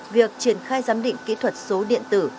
việc triển khai giám định kỹ thuật số điện tử